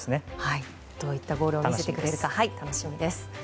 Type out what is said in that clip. どういったゴールを見せてくれるか、楽しみです。